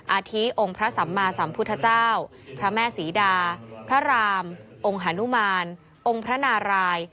อาทิองค์พระสัมมาสัมพุทธเจ้าพระแม่ศรีดาพระรามองค์ฮานุมานองค์พระนาราย